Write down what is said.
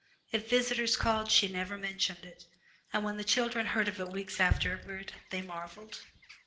If visitors called she never mentioned it, and when the children heard of it weeks afterward they marveled.